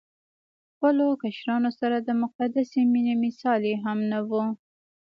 خپلو کشرانو سره د مقدسې مينې مثال يې هم نه وو